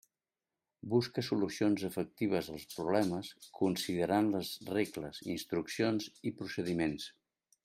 Busca solucions efectives als problemes considerant les regles, instruccions i procediments.